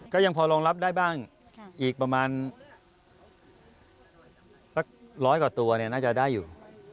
ก็ยังพอรองรับได้บ้างอีกประมาณสักร้อยกว่าตัวน่าจะได้อยู่